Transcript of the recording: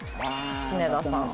常田さん。